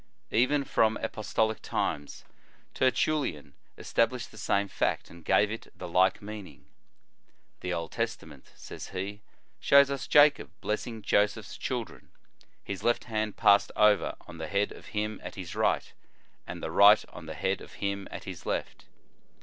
"* Even from apostolic times, Tertullian es tablished the same fact, and gave it the like meaning. "The Old Testament," says he, " shows us Jacob blessing Joseph s children, his left hand passed over on the head of him at his right, and the right on the head of him at his left.